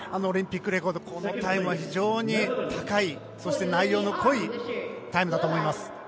オリンピックレコードのタイムは非常に高い、内容の濃いタイムだったと思います。